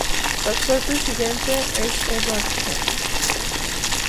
Su actual presidente es Edward Kemp.